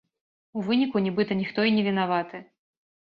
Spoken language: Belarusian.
У выніку, нібыта, ніхто і не вінаваты.